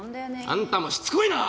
あんたもしつこいな！